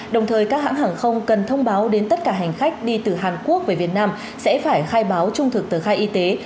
đồng thời các hãng hàng không cần thông báo đến tất cả hành khách đi từ hàn quốc về việt nam sẽ phải khai báo trung thực tờ khai y tế